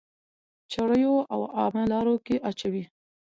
چريو او عامه لارو کي اچوئ.